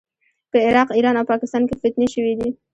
په عراق، ایران او پاکستان کې فتنې شوې دي.